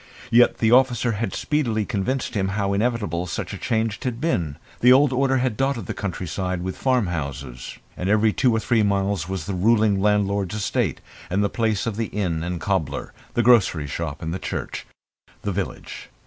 Yet the officer had speedily convinced him how inevitable such a change had been. The old order had dotted the country with farmhouses, and every two or three miles was the ruling landlord's estate, and the place of the inn and cobbler, the grocer's shop and church the village.